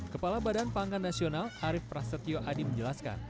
kepala badan pangan nasional arief prasetyo adi menjelaskan